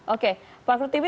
oke pak rutibi